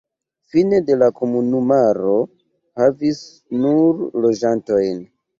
Fine de la komunumaro havis nur loĝantojn.